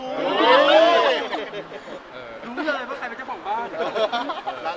รู้เลยว่าใครเป็นเจ้าของบ้าน